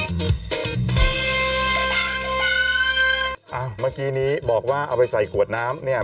เมื่อกี้นี้บอกว่าเอาไปใส่ขวดน้ำเนี่ย